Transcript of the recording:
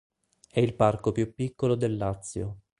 È il parco più piccolo del Lazio.